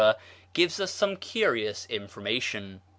gives us some curious information.